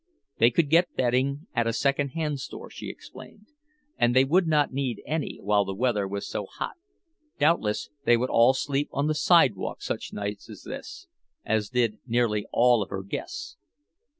They could get bedding at a secondhand store, she explained; and they would not need any, while the weather was so hot—doubtless they would all sleep on the sidewalk such nights as this, as did nearly all of her guests.